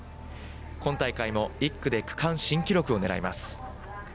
今大会も１区で区間新記録をねらいます。